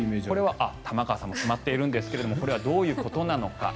玉川さんも決まっているんですがこれはどういうことなのか。